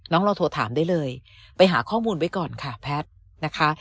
เราโทรถามได้เลยไปหาข้อมูลไว้ก่อนค่ะแพทย์นะคะ